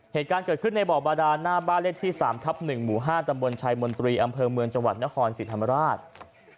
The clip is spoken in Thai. เหตุการณ์เกิดขึ้นในบ่อบาดานหน้าบ้านเลขที่๓ทับ๑หมู่๕ตำบลชัยมนตรีอำเภอเมืองจังหวัดนครศรีธรรมราช